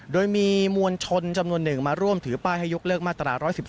โดยมีมวลชนจำนวนหนึ่งมาร่วมถือป้ายให้ยกเลิกมาตรา๑๑๒